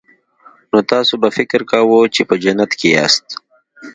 نو تاسو به فکر کاوه چې په جنت کې یاست